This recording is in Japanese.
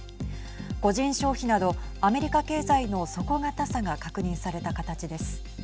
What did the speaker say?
個人消費など、アメリカ経済の底堅さが確認された形です。